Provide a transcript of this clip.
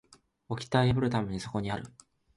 掟は破るためにそこにある